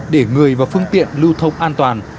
để người và phương tiện lưu thông an toàn